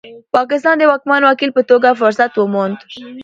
پاکستان د واکمن وکیل په توګه فرصت وموند.